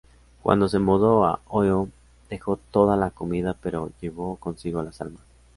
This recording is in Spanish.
Cuando se mudó a Ohio, dejó toda la comida pero llevó consigo las armas.